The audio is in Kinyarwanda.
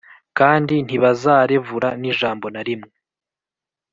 kandi ntibazarevura n’ijambo na rimwe;